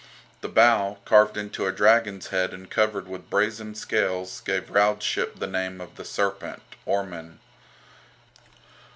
The bow, carved into a dragon's head and covered with brazen scales, gave Raud's ship the name of the "Serpent" (Ormen).